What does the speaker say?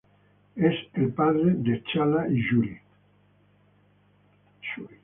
Él es el padre de T'Challa y Shuri.